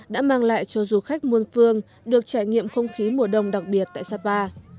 đã mang lại cho du khách muôn phương được trải nghiệm không khí mùa đông đặc biệt tại sapa